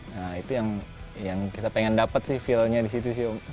nah itu yang kita pengen dapat sih feel nya disitu sih om